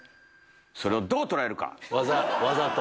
それをどう捉えるか⁉わざと？